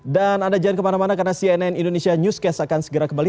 dan anda jangan kemana mana karena cnn indonesia newscast akan segera kembali